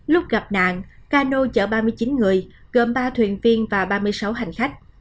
lúc gặp nạn cano chở ba mươi chín người gồm ba thuyền viên và ba mươi sáu hành khách